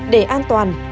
để an toàn